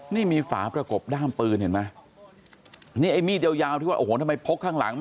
นี่มีฝาประกบด้ามปืนเห็นไหมนี่ไอ้มีดยาวยาวที่ว่าโอ้โหทำไมพกข้างหลัง